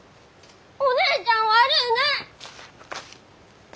お姉ちゃん悪うない！